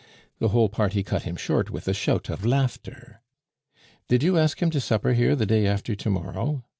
The whole party cut him short with a shout of laughter. "Did you ask him to supper here the day after to morrow?"